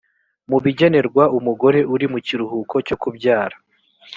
bw ibigenerwa umugore uri mu kiruhuko cyo kubyara